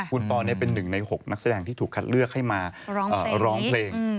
คุณปอเป็น๑ใน๖นักแสดงที่ถูกคัดเลือกให้มาร้องเพลง